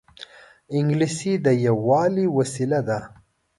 انګلیسي د یووالي وسیله ده